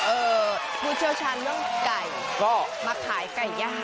เอ่อผู้เชี่ยวชาญเรื่องไก่ก็มาขายไก่ย่าง